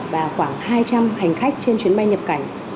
và khoảng hai trăm linh hành khách trên chuyến bay nhập cảnh